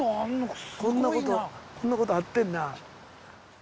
すごいな。こんなことあってんな。